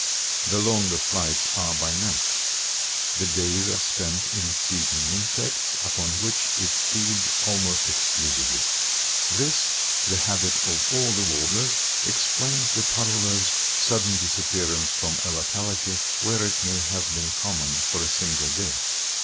The longer flights are by night. The days are spent in seeking insects, upon which it feeds almost exclusively. This, the habit of all the warblers, explains the Parula's sudden disappearance from a locality where it may have been common for a single day.